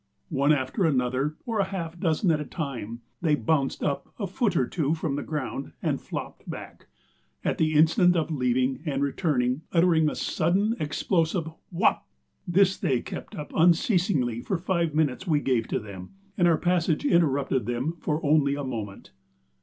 One after another, or a half dozen at a time, they bounced up a foot or two from the ground and flopped back, at the instant of leaving and returning uttering a sudden, explosive wop! This they kept up unceasingly for the five minutes we gave to them, and our passage interrupted them for only a moment.